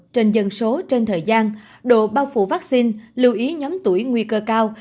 trên dân số trên thời gian độ bao phủ vaccine lưu ý nhóm tuổi nguy cơ cao